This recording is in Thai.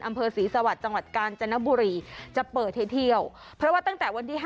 อำเภอศรีสวรรค์จังหวัดกาญจนบุรีจะเปิดให้เที่ยวเพราะว่าตั้งแต่วันที่๕